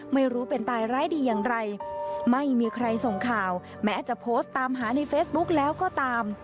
ไม่มีใครส่งข่าวแม้จะโพสต์ตามหาในเฟซบุ๊กแล้วก็ตาม